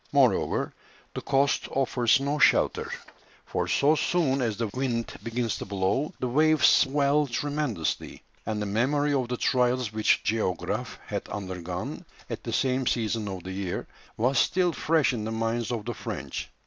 Moreover, the coast offers no shelter, for so soon as the wind begins to blow, the waves swell tremendously, and the memory of the trials which the Géographe had undergone at the same season of the year was still fresh in the minds of the French.